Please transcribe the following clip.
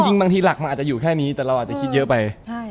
บางทีหลักมันอาจจะอยู่แค่นี้แต่เราอาจจะคิดเยอะไป